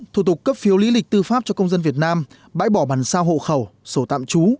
thủ tục cấp phiếu lý lịch tư pháp cho công dân việt nam bãi bỏ bàn sao hộ khẩu sổ tạm trú